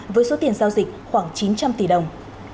với số tiền giao dịch khoảng chín trăm linh tỷ đồng